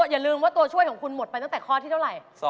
อย่าลืมว่าตัวช่วยของคุณหมดไปตั้งแต่ข้อที่เท่าไหร่